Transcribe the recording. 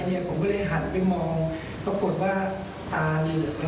แต่รถโรงพยาบาลกับมุมเวทีค่อนข้างช้านิดหนึ่ง